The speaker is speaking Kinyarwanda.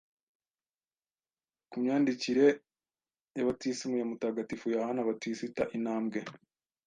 Ku myandikire ya batisimu ya Mutagatifu Yohani Batisita intambwe